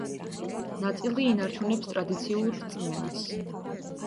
ნაწილი ინარჩუნებს ტრადიციულ რწმენას.